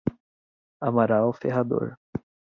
Amaral Ferrador